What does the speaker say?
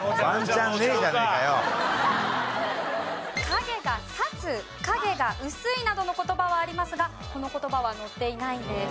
「影が差す」「影が薄い」などの言葉はありますがこの言葉は載っていないんです。